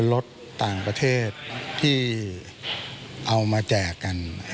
รถต่างประเทศที่เอามาแจกกัน